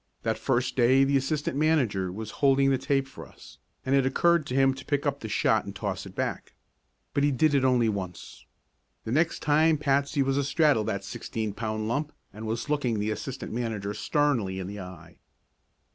That first day the assistant manager was holding the tape for us, and it occurred to him to pick up the shot and toss it back. But he did it only once. The next time Patsy was astraddle of that sixteen pound lump and was looking the assistant manager sternly in the eye.